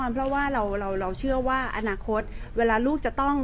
แต่ว่าสามีด้วยคือเราอยู่บ้านเดิมแต่ว่าสามีด้วยคือเราอยู่บ้านเดิม